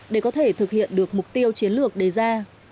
để có thể thực hiện được mục tiêu chiến lược đề ra